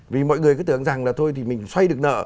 vì mọi người cứ tưởng rằng là thôi thì mình xoay được nợ